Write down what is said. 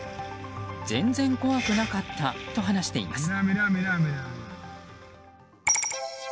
全然怖くなかったと話しています。